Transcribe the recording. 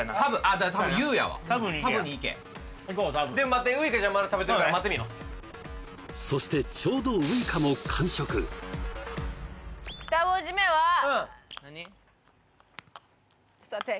多分Ｕやわ「サブに行け」でも待ってウイカちゃんまだ食べてるからそしてちょうどウイカも完食２文字目はちょっと待ってね